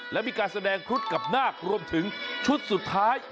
และมีการแสดงครุฑกับนาครวมถึงชุดสุดท้าย